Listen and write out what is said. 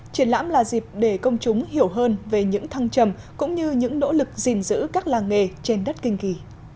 triển lãm là dịp để công chúng hiểu hơn về những thăng trầm cũng như những nỗ lực gìn giữ các làng nghề trên đất kinh kỳ